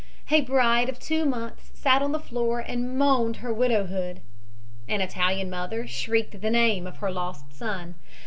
A bride of two months sat on the floor and moaned her widowhood. An Italian mother shrieked the name of her lost son.